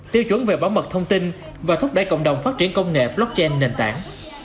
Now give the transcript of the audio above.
tiêu chuẩn về bảo mật thông tin và thúc đẩy cộng đồng phát triển công nghệ blockchain nền tảng